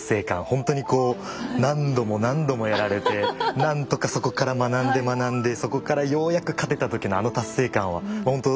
ほんとにこう何度も何度もやられて何とかそこから学んで学んでそこからようやく勝てた時のあの達成感はもうほんと